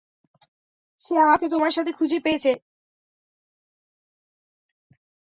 সে আমাকে তোমার সাথে খুঁজে পেয়েছে।